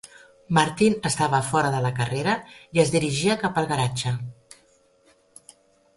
Martin estava fora de la carrera i es dirigia cap al garatge.